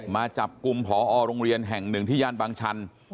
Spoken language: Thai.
มาจับกลุ่มพอโรงเรียนแห่งหนึ่งที่ย่านบางชัน